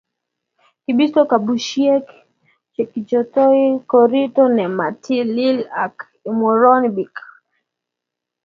kibisto kampunisiek che kiichertoi korito ne ma talil aku imurwoni beek.